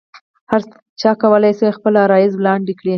هرچا کولای شول خپل عرایض وړاندې کړي.